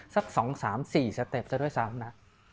ทั้ง๓๔สเต็ปแล้วด้วยซ้ำนะ